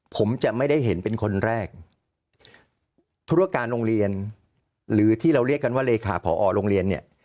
ผมจะไม่ได้เห็นเป็นคนแรกธุรการโรงเรียนหรือที่เราเรียกกันว่าเลขาผอโรงเรียนเนี่ย